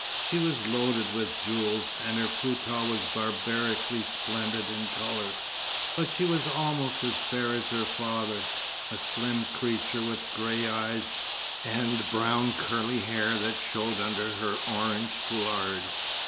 She was loaded with jewels, and her foutah was barbarically splendid in colour, but she was almost as fair as her father; a slim creature with grey eyes, and brown curly hair that showed under her orange foulard.